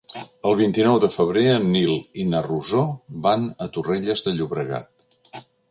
El vint-i-nou de febrer en Nil i na Rosó van a Torrelles de Llobregat.